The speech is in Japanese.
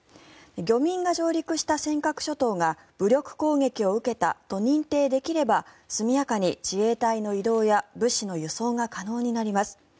漁民が上陸した尖閣諸島が武力攻撃を受けたと認定できれば速やかに自衛隊の移動や物資の輸送が可能になります。